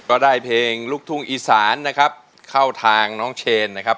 ก็ได้เพลงลูกทุ่งอีสานนะครับเข้าทางน้องเชนนะครับ